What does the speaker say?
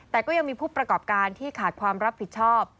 แต่ก็ยังมีผู้ประกอบการที่ขาดความรับผิดชอบ